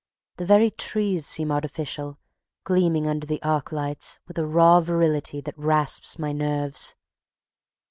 The very trees seem artificial, gleaming under the arc lights with a raw virility that rasps my nerves.